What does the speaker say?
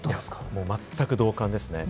全く同感ですね。